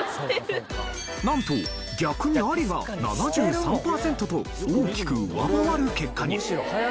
なんと逆にアリが７３パーセントと大きく上回る結果に。